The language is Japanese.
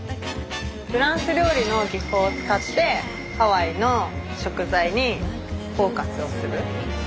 フランス料理の技法を使ってハワイの食材にフォーカスをする。